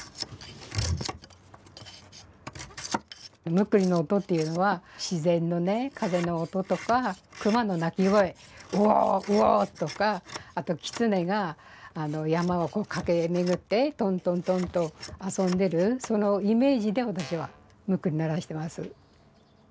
ムックリの音っていうのは自然のね風の音とか熊の鳴き声「ウォーウォー」とかあとキツネが山を駆け巡ってトントントンと遊んでるそのイメージで私はムックリ鳴らしてます。